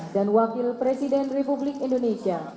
dan wakil presiden republik indonesia